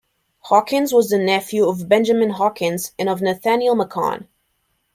Hawkins was the nephew of Benjamin Hawkins and of Nathaniel Macon.